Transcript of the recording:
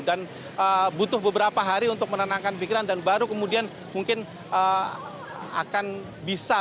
dan butuh beberapa hari untuk menenangkan pikiran dan baru kemudian mungkin akan bisa